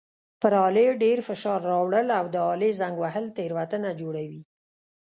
پر آلې ډېر فشار راوړل او د آلې زنګ وهل تېروتنه جوړوي.